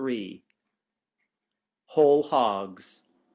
WHOLE HOGS.